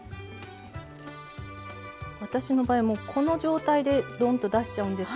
私の場合はもうこの状態でドンと出しちゃうんですけど。